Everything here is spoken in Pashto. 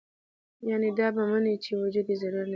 يعني دا به مني چې وجود ئې ضروري نۀ دے